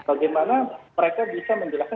bagaimana mereka bisa menjelaskan